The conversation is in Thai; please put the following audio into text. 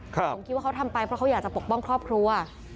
ผมคิดว่าเขาทำไปเพราะเขาอยากจะปกป้องครอบครัว